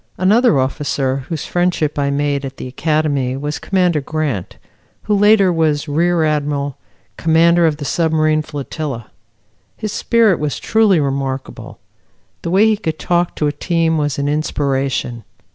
Another officer whose friendship I made at the Academy was Commander Grant, who later was Rear Admiral, Commander of the Submarine Flotilla. His spirit was truly remarkable. The way he could talk to a team was an inspiration.